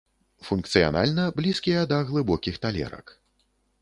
Функцыянальна блізкія да глыбокіх талерак.